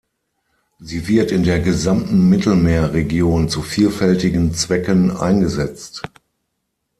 Sie wird in der gesamten Mittelmeerregion zu vielfältigen Zwecken eingesetzt.